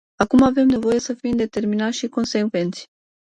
Acum avem nevoie să fim determinați și consecvenți.